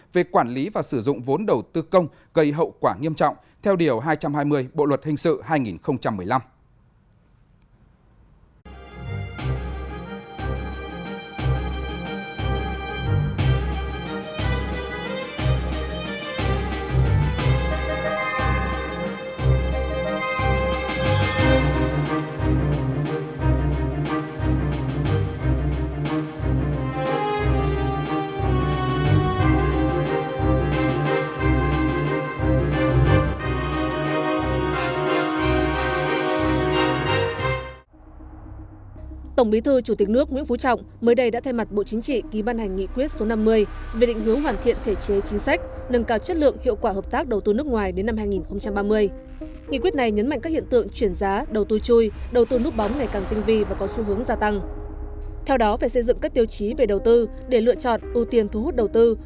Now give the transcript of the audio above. về quản lý và sử dụng vốn đầu tư công gây hậu quả nghiêm trọng theo điều hai trăm hai mươi bộ luật hình sự hai nghìn một mươi năm